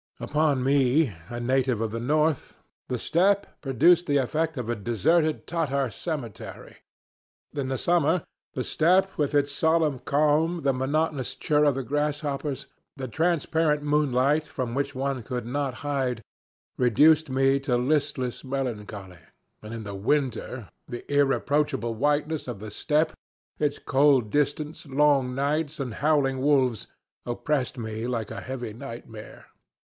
Upon me, a native of the north, the steppe produced the effect of a deserted Tatar cemetery. In the summer the steppe with its solemn calm, the monotonous chur of the grasshoppers, the transparent moonlight from which one could not hide, reduced me to listless melancholy; and in the winter the irreproachable whiteness of the steppe, its cold distance, long nights, and howling wolves oppressed me like a heavy nightmare.